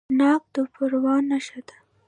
ناک د پروان نښه ده.